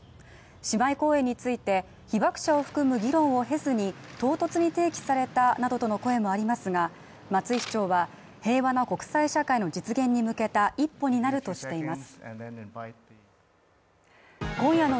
姉妹公園について被爆者を含む議論を経ずに、唐突に提起されたなどとの声もありますが、松井市長は、平和な国際社会の実現に向けた一歩になるとしています。